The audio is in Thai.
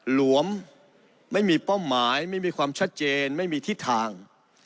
หลวมไม่มีเป้าหมายไม่มีความชัดเจนไม่มีทิศทาง